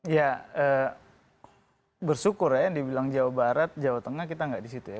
ya bersyukur ya yang dibilang jawa barat jawa tengah kita gak disitu ya